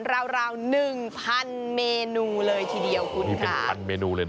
ราวราวหนึ่งพันเมนูเลยทีเดียวคุณมีเป็นพันเมนูเลยนะ